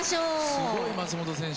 すごい松本選手。